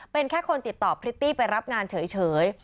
เป็นแค่คนติดต่อพริตตี้ไปรับงานเฉย